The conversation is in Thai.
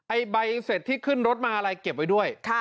ใบเสร็จที่ขึ้นรถมาอะไรเก็บไว้ด้วย